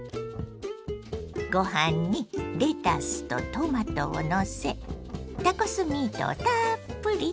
ご飯にレタスとトマトをのせタコスミートをたっぷりと。